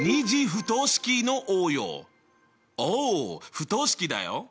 不等式だよ。